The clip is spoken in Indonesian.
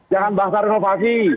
jangan bahas renovasi